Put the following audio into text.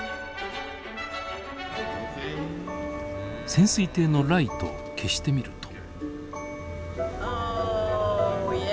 潜水艇のライトを消してみると。